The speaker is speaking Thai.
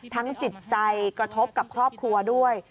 จิตใจกระทบกับครอบครัวด้วย